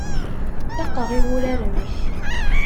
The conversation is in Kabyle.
Faqeɣ i wurar-nnek.